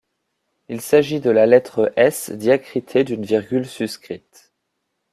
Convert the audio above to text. Il s'agit de la lettre S diacritée d'un virgule suscrite.